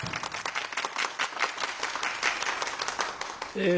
え